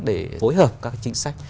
để phối hợp các chính sách